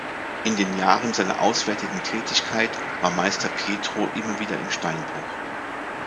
In den Jahren seiner auswärtigen Tätigkeit war Meister Pietro immer wieder im Steinbruch.